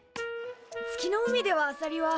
月の海ではあさりは。